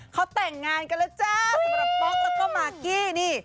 เขาแต่งงานกันแล้วจ้าสำหรับป๊อกแล้วก็มากกี้นี่